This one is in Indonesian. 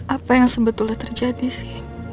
apa yang sebetulnya terjadi sih